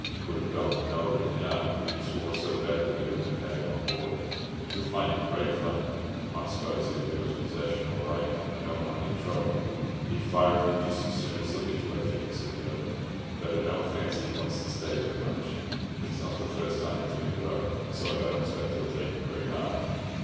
Would have gone with Noah in the Ark, but he swore so badly they wouldn't have him on board. You'll find him great fun." "I suppose he'll give us possession all right. We don't want any trouble." "He'd fire at you just as soon as look at you, I think," said the other. "But I don't fancy he wants to stay there much. It's not the first time he's been broke, so I don't expect he'll take it very hard.